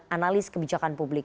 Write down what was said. analis kebijakan publik